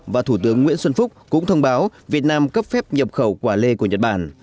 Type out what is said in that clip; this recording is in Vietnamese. và thủ tướng nguyễn xuân phúc cũng thông báo việt nam cấp phép nhập khẩu quả lê của nhật bản